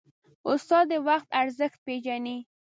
استاد د وخت ارزښت پېژني.